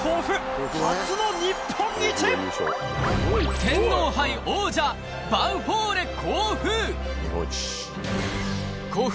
天皇杯王者、ヴァンフォーレ甲府。